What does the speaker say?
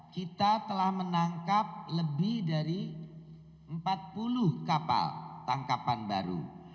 kita telah menangkap lebih dari empat puluh kapal tangkapan baru